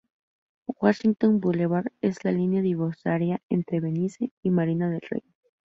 Washington Boulevard es la línea divisoria entre Venice y Marina del Rey.